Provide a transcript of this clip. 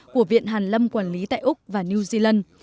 của viện hàn lâm quản lý tại úc và new zealand